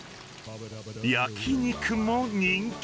焼き肉も人気。